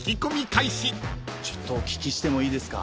ちょっとお聞きしてもいいですか？